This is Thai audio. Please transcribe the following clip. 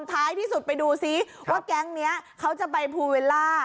ท้ายที่สุดไปดูซิว่าแก๊งนี้เขาจะไปภูเวลล่า